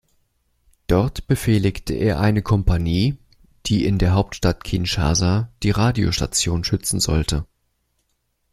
Dort befehligte er eine Kompanie, die in der Hauptstadt Kinshasa die Radiostation schützen sollte.